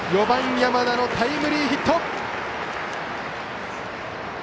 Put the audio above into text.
４番、山田のタイムリーヒット！